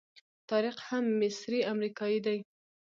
طارق هم مصری امریکایي دی.